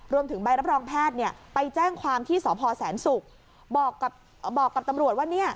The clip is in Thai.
รวมถึงใบรับรองแพทย์ไปแจ้งความที่สพแสนสุกบอกกับตำรวจว่า